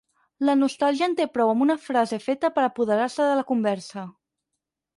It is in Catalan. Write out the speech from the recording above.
La nostàlgia en té prou amb una frase feta per apoderar-se de la conversa.